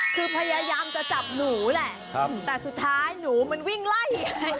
คือพยายามจะจับหนูแหละแต่สุดท้ายหนูมันวิ่งไล่ไง